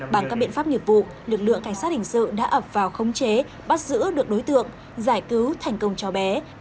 bằng các biện pháp nghiệp vụ lực lượng cảnh sát hình sự đã ập vào khống chế bắt giữ được đối tượng giải cứu thành công cháu bé